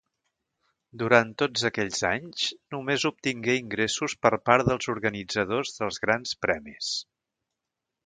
Durant tots aquells anys, només obtingué ingressos per part dels organitzadors dels Grans Premis.